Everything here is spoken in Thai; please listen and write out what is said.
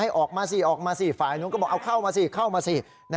ออกมาสิออกมาสิฝ่ายนู้นก็บอกเอาเข้ามาสิเข้ามาสิ